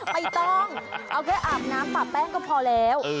ไม่ต้องเอาแค่อาบน้ำป่าแป้งก็พอแล้ว